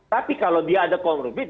tapi kalau dia ada comorbid